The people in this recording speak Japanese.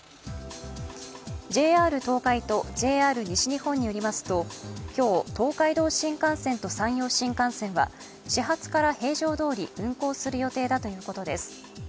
ＪＲ東海とＪＲ西日本によりますと、今日、東海道新幹線山陽新幹線は始発から平常通り運行するということです。